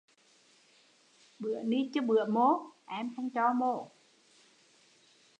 Bữa ni chứ bữa mô, em không cho mô